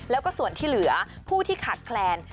แล้วก็ส่วนที่เหลือผู้ที่ขาดแคลน